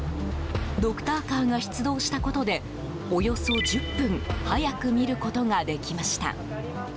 ドクターカーが出動したことでおよそ１０分早く診ることができました。